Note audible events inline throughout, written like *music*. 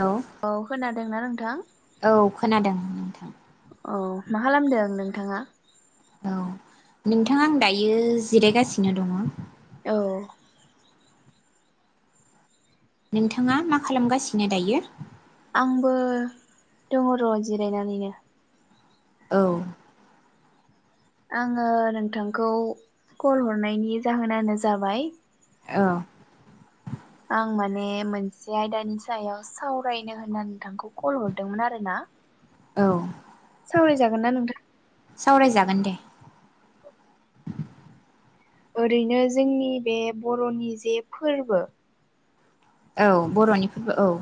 Hello औ खोनादोंना नोंथां औ खोनादों। नोंथां औ मा खालामदों नोंथाङा? औ नोंथां आं दायो जिरायगासिनो दङ। औ नोंथाङा मा खालामगासिनो दायो? आंबो दङ र' जिरायनानैनो। औ आङो नोंथांखौ कल हरनायनि जाहोनानो जाबाय- औ आं माने मोनसे आयदानि सायाव सावरायनो होननानै नोंथांखौ कल हरदोंमोन आरो ना। औ सावराय जागोन ना नोंथां? सावरायजागोन दे। ओरैनो जोंनि बे बर'नि जे फोरबो औ बर'नि फोरबो औ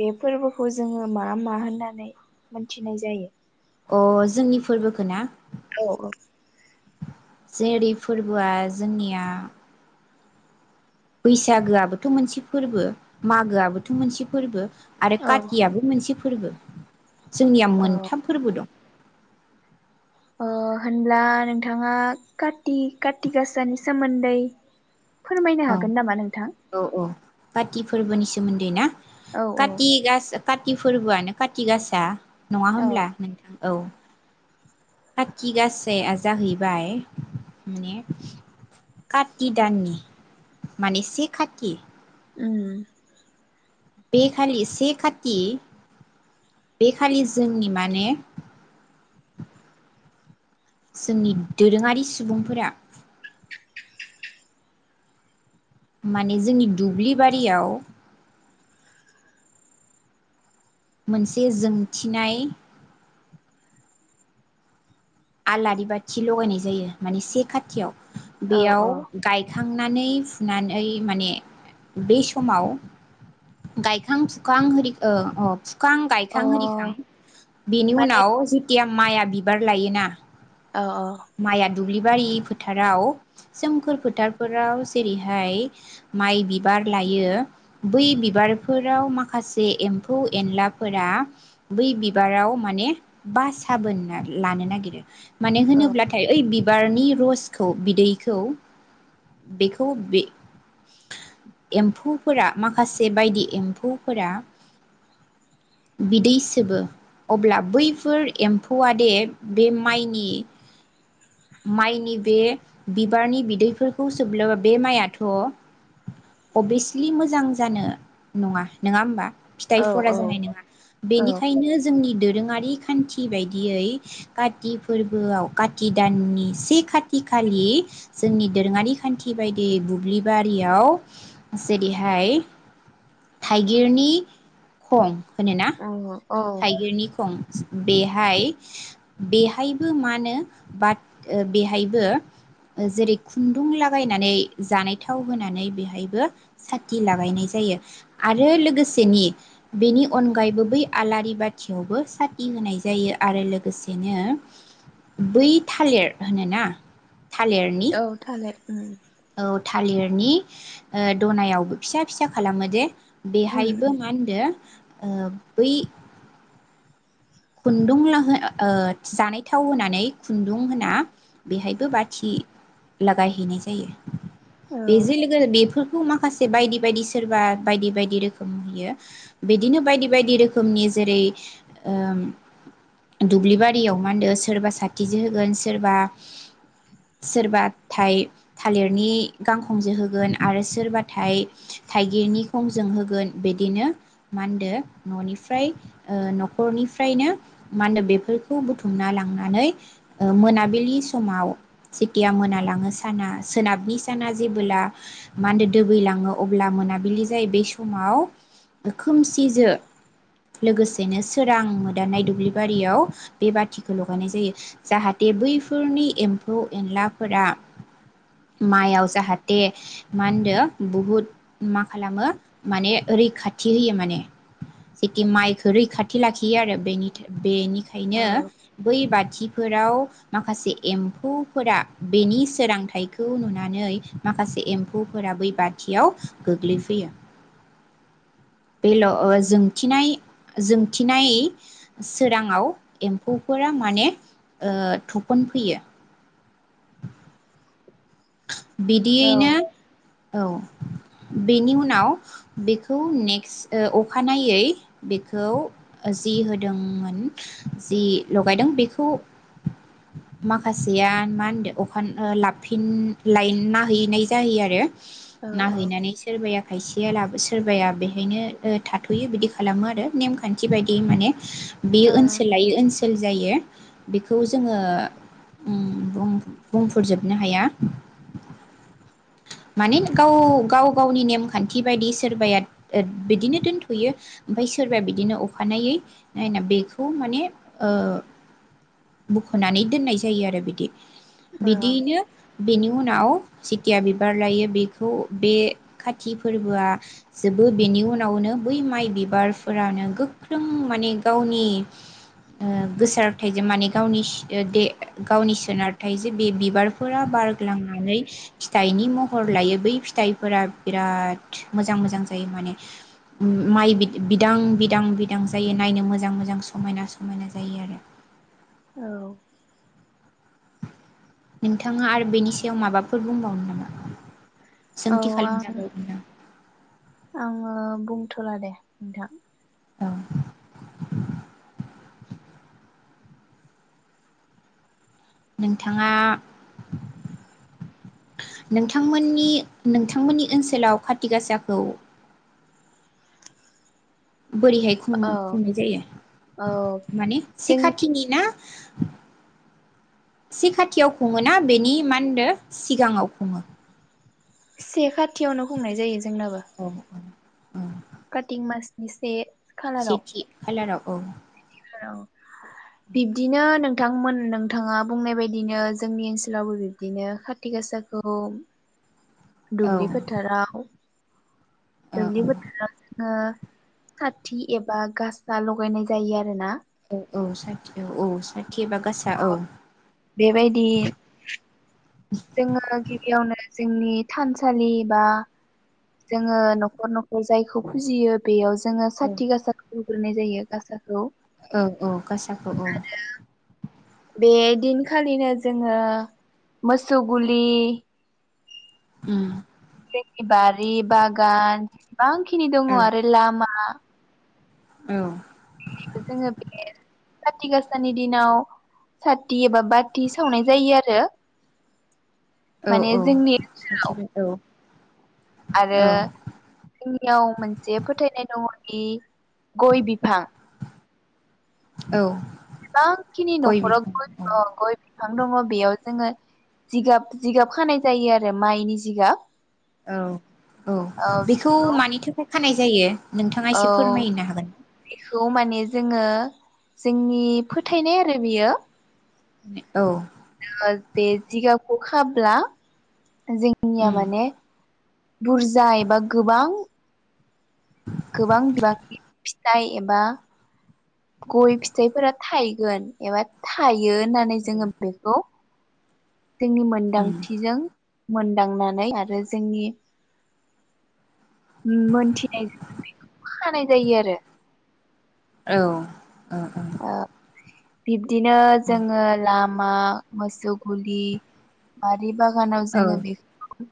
बे फोरबोखौ जोङो मा मा होननानै मोनथिनाय जायो? अ जोंनि फोरबोखो ना? औ औ जेरै-फोरबोआ जोंनिया बैसागोआबोथ' मोनसे फोरबो, मागोआबोथ' मोनसे फोरबो आरो औ खाथियाबो मोनसे फोरबो। जोंनिया औ मोनथाम फोरबो दं। ओ होनब्ला नोंथाङा खाथि-खाथिगाासानि सोमोन्दै फोरमायनो औ हागोन नामा नोंथां? औ औ खाथि फोरबोनि सोमोन्दै ना? औ औ खाथि गासा खाथि फोरबोआनो खाथिगासा नङा औ होमब्ला नोंथां? औ खाथिगासाया जाहैबाय माने खाथि दाननि माने से खाथि उम बेखालि से खाथि बेखालि जोंनि माने जोंनि दोरोङारि सुबुंफोरा माने जोंनि दुब्लि बारियाव मोनसे जोंथिनाय आलारि बाथि लगायनाय जायो। माने से खाथियाव औ बेयाव औ गायखां नानै फुनानै माने बे समाव गायखां फुखां ओ अ फुखां-गायखां-आरिखां बेनि माने उनाव जि थिया माइआ बिबार लायोना। औ औ माइआ दुब्लिबारि फोथाराव सोमखोर फोथारफोराव जेरैहाय माइ बिबार लायो बै बिबारफोराव माखासे एम्फौ एनलाफोरा बै बिबाराव माने बा साबोनना लानो नागिरो। माने औ होनोब्लाथाय ओइ बि बारनि रसखौ बिदैखौ बेखौ बे एम्फौफोरा माखासे बायदि एम्फौफोरा बिदै सोबो अब्ला बैफोर एम्फौआ दे बे माइनि माइनि बे बिबारनि बिदैफोरखौ सोबलबा बे माइआथ' अबिसलि मोजां जानो नङा नङा होमबा फिथाइ औ फरा औ जानाय नङा औ बेनिखायनो जोंनि दोरोङारि खान्थि बायदियै खा ति फोरबोआव खाति दाननि से खाथि खालि जोंनि दोरोङारि खान्थि बायदियै बुब्लिबारियाव जेरैहाय थाइगिरनि खं होनो ना। औ औ थाइगिरनि खं। बेहाय बेहायबो मा नो बाद ओ बेहायबो ओ जेरै- खुन्दुं लागायनानै जानायथाव होनानै बेहायबो साथि लागायनाय जायो आरो लोगोसेनि बेनि अनगायैबो बै आलारि बाथियावबो साथि होनाय जायो आरो लोगोसेनो बै थालिर होनोना। थालिरनि औ थालेर। उम। औ थालिरनि ओ दनायावबो फिसा-फिसा खालामो दे। उम बेहायबो उम मा होनदो आ बै। खुन्दुं *unintelligible* ओ जानाय थाव होनानै खुन्दुं होना बेहायबो बाथि लागायहैनाय जायो। औ बे जि लोगोल बेफोर खौ माखासे बायदि-बायदि सोरबा बायदि-बायदि रोखोम होयो बिदिनो बायदि-बायदि रोखोमनि जेरै- ओम दुब्लि बारियाव मा होनदो सोरबा साथिजों होगोन सोरबा सोरबा थाय थालिरनि गांखंजों होगोन आरो सोरबाथाय थाइगिरनि खंजों होगोन बिदिनो मा होनदो न'निफ्राय न'खरनि फ्रायनो माहोनदो बेफोरखौ बुथुमना लांनानै ओ मोनाबिलि समाव जेथिया मोनालाङो साना सोनाबनि साना जेबोब्ला मा होनदो दोबैलाङो अब्ला मोनाबिलि जायो बे समाव खोमसिजो लोगोसेनो सोरां मो दानाय दुब्लि बारियाव बे बाथिखौ लगायनाय जायो जाहाथे बैफोरनि एम्फौ एनलाफोरा माइयाव जाहाथे मा होनदो बुहुद मा खालामो माने रैखाथि होयो माने जेखि माइखो रैखाथि लाखियो आरो। बेनि थो बेनि औ खायनो बै बाद थिफोराव माखासे एम्फौफोरा बेनि सोरांथाइखौ नुनानै माखासे एम्फौफोरा बै बाथियाव गोग्लैफैयो बेल' ओ जोंथिनाय-जोंथिनाय। सोराङाव एम्फौफोरा माने ओ थुफनफैयो। औ बिदियैनो। औ बेनि उनाव बेखौ नेक्स ओ अखानायै बेखौ ओ जि होदोंमोन जि लगायदों बेखौ माखासेया मा होनदो अखान ओ लाफिन लायना हैनाय जायो आरो। औ नाहैनानै सोरबाया खायसेया लाबो सोरबाया बेहायनो ओ थाथ'यो बिदि खालामो आरो नेमखान्थि बायदियै माने औ बेयो ओनसोल लायो ओनसोल। जायो बेखौ जोङो ओ बुंफोरजोबनो हाया माने गाव गाव गावनि नेमखान्थि बायदि सोरबाया बिदिनो दोनथयो ओमफ्राय सोरबाया बिदिनो अखानायै नायना बेखौ माने ओ बखनानै दोननाय जायो आरो बिदि बिदियैनो बिनि उनाव सिथिया बिबार लायो बेखौ बे खाथि फोरबोआ जोबो बेनि उनावनो बै माइ बिबारफोरानो गोख्रों माने गावनि ओ गोसारथायजों माने गावनि गावनि सोनारथायजों बे बिबारफोरा बार लांनानै फिथाइनि महर लायो बै फिथाइफोरा बिराद मोजां मोजां जायो माने माइ बिदां बिदां बिदां जायो नायनो मोजां मोजां समायना समायना जायो आरो औ नोंथाङा आरो बेनि सायाव माबाफोर बुंबावनो नामा? औ सोंथि आं खालामजाबावगोनदां आङो बुं थला दे नोंथां औ नोंथाङा *inaudible* नोंथांमोननि नोंथांमोननि ओनसोलाव खाथि गासाखौ बोरैहाय खुं औ खुंनाय जायो औ माने से जों खाथिनि ना? *inaudible* से खाथियाव खुङोना बेनि मा होनदों सिगाङाव खुङो से खाथियावनो हमनाय जायो अ औ ओं काति मासनि से खालाराव सेथि खालाराव औ औ बिब्दिनो नों नोंथांमोन नोंथाङा बुंनाय बायदिनो जोंनि ओनसोलावबो बिब्दिनो काति गासाखौ औ दुब्लि फोथाराव औ दुब्लि औ फोथाराव साथि एबा गासा लगायनाय जायो आरो *unintelligible* औ औ साखि औ औ साखि बेबायदि जोङो गिबिआवनो जोंनि थानसालि बा जोङो नखर नखर जायखौ फुजियो बेयाव ज' जोङो साथि गासाखौ नाय जायो गासाखौ औ औ गसाखौ औ बे दिनखालिनो जोङो मोसौ गुलि ओम *unintelligible* बारि बागान बांखिनि दङ औ आरो लामा औ जोङो बे साथि गासानि दिनाव साथि एबा बाथि सावनाय जायो आरो औ माने औ जोंनि ओनसोलाव सखिबाय औ आरो औ जोंनियाव मोनसे फोथायनाय दङ। दि गय बिफा औ बां खिनि नखराव बिफां गय औ दं गय बि बिफां दङ बेयाव जोङो जिगाब जिगाब खानाय जायो आरो माइनि जिगाब औ औ बेखौ मानि थोखाय खानाय जायो? नोंथाङा एसे फोरमायहैनो हागोन खौ माने जोङो जोंनि फोथायनाय आरो बियो औ बे जिगाबखौ खाब्ला जोंनिया उम माने बुरजा एबा गोबां गोबां बिबांनि फिथाइ एबा गय फिथाइफोरा थायगोन एबा थाइ यो होननानै जोङो बेखौ जोंनि उम मोनदांथिजों मोनदांनानै आरो जोंनि मोनथिनाय *unintelligible* बेखौ खानाय जायो आरो औ ओ ओ बिब बिदिनो जोङो लाब मा मोसौ गुलि माद बारि बागानाव औ जोङो बेख *unintelligible*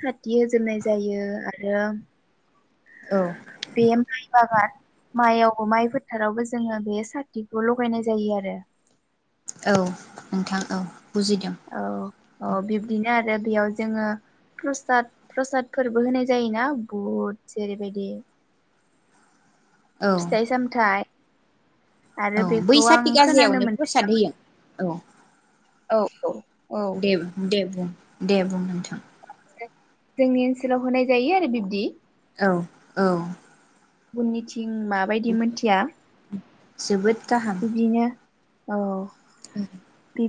साथि होजेननाय जायो आरो औ बे माइ बागान माइयाव माइ फोथारावबो जोङो बे साथिखौ लगायनाय जायो आरो औ नोंथां औ बुजिदों अ बिब्दिनो आरो बेयाव जोङो प्रसाद प्रसादफोरबो होनाय जायोना बुहुद जेरैबायदि औ फिथाइ सामथाइ आरो औ बै बेखौ आं साथि खोनानो गाजियावनो मोनदों प्रसाद होयो? औ । औ औ औ देब दे बुं । दे बुं नोंथां । जोंनि ओनसोलाव होनाय जायो आरो बिब्दि । औ औ । बुनिथि दिं माबायदि मिथिया जोबोद बिब्दिनो औ । ओं ।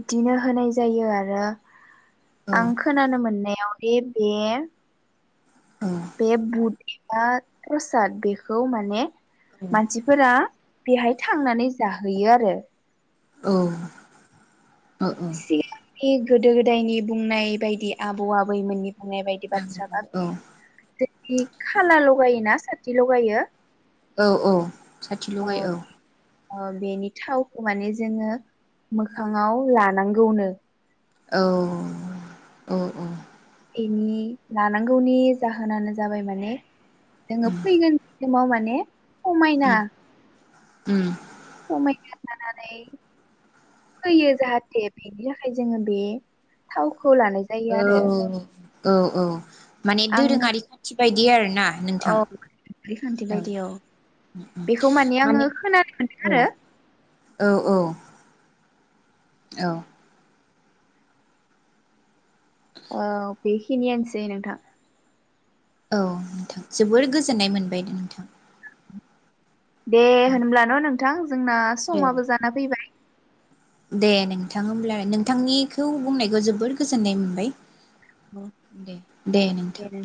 बिदिनो होनाय जायो आरो औ आं खोनानो मोननाय बेयाव दे बे औ बे बुद प्रसाद बेखौ माने मानसिफोरा बेहाय थांनानै जाहैयो आरो । औ । औ औ । बे गोदो गोदायनि बुंनाय बायदि आबौ आबैमोननि बुंनाय बायदि बाथ्राबा औ बे दि खाला लगायोना सा थि लगायो औ औ । साथि लगाय औ । बेनि थावखौ माने जोङो मोखाङाव लानांगौनो । औ औ औ । एनि लानांगौनि जाहोनानो जाबाय माने जोंङो फैगोन माव माने समायना ओम । समायना जानानै फैयो जाहाथे बेनि थाखाय जोङो बे थावखौ खौ लानाय जायो आरो । औ औ औ । माने दोरोङारि खान्थि बायदि गियान औ रिखान्थि बायदि औ बेखौ माने आङो खोनानो मोनदों औ आरो। औ औ औ औ बेखिनियानोसै नोंथां। औ नोंथां जोबोर गोजोननाय मोनबाय दे नोंथां। दे होनब्ला न' नों थां जोंना समाबो जाना फैबाय। दे नोंथां होमब्ला नोंथांनिखौ बुंनायखौ जोबोर गोजोननाय मोनबाय। दे दे नोंथां।